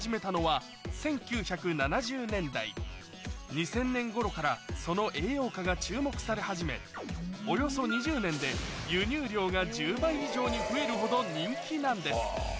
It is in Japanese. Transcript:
２０００年頃からその栄養価が注目され始めおよそ２０年で輸入量が１０倍以上に増えるほど人気なんです